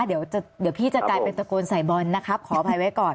เดี๋ยวพี่จะกลายเป็นตะโกนใส่บอลนะครับขออภัยไว้ก่อน